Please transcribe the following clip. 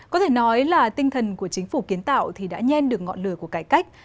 có thể nói là tinh thần của chính phủ kiến tạo thì đã nhen được ngọn lửa của cải cách